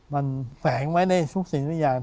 มันแสงว่าทุกสิ่งทุกอย่าง